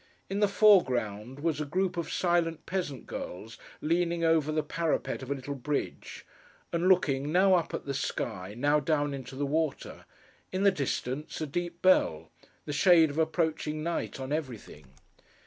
In the foreground was a group of silent peasant girls leaning over the parapet of a little bridge, and looking, now up at the sky, now down into the water; in the distance, a deep bell; the shade of approaching night on everything.